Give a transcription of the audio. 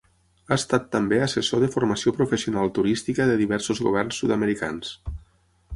Ha estat també assessor de Formació Professional Turística de diversos governs sud-americans.